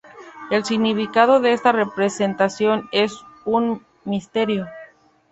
El significado de esta representación es un misterio.